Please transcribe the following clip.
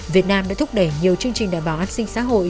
việt nam đã thúc đẩy nhiều chương trình đảm bảo an sinh xã hội